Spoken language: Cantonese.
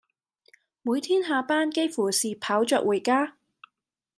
每天下班幾乎是跑著回家